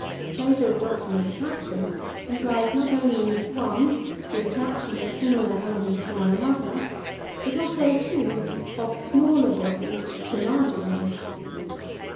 Plato's doctrine of attraction implies not only (1) the attraction of similar elements to one another, but also (2) of smaller bodies to larger ones.